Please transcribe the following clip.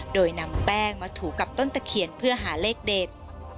โดยนำแป้งมาถูกับต้นตะเคียนเพื่อหาเลขเด็ด